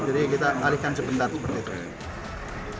jadi kita alihkan sebentar seperti itu